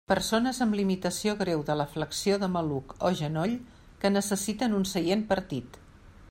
Persones amb limitació greu de la flexió de maluc o genoll que necessiten un seient partit.